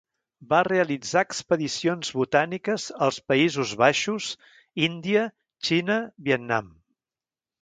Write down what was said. Va realitzar expedicions botàniques als Països Baixos, Índia, Xina, Vietnam.